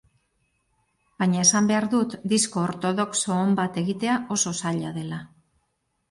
Baina esan behar dut disko ortodoxo on bat egitea oso zaila dela.